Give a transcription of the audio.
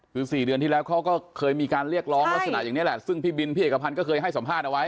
คือ๔เดือนที่แล้วเขาก็เคยมีการเรียกร้องลักษณะอย่างนี้แหละซึ่งพี่บินพี่เอกพันธ์ก็เคยให้สัมภาษณ์เอาไว้